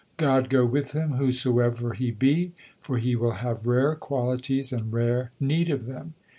God go with him whosoever he be, for he will have rare qualities and rare need of them.